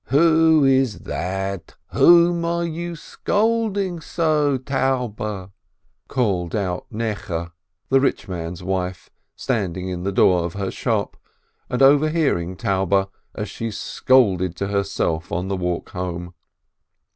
"Who is that? Whom are you scolding so, Taube?" called out Necheh, the rich man's wife, standing in the door of her shop, and overhearing Taube, as she scolded to herself on the walk home.